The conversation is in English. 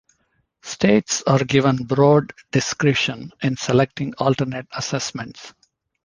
States are given broad discretion in selecting alternate assessments.